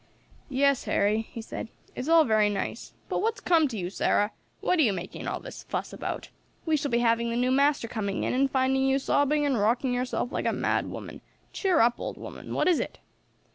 "Yes, Harry," he said, "it's all very nice. But what's come to you, Sarah? What are you making all this fuss about? We shall be having the new master coming in and finding you sobbing and rocking yourself like a mad woman. Cheer up, old woman. What is it?"